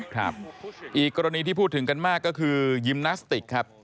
ครับอีกกรณีที่พูดถึงกันมากก็คือยิมนาสติกครับ